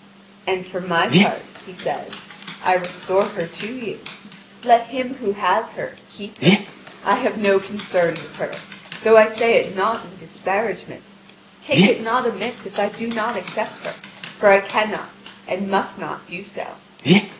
"And for my part," he says. "I restore her to you. Let him who has her keep her. I have no concern with her, though I say it not in disparagement. Take it not amiss if I do not accept her, for I cannot and must not do so.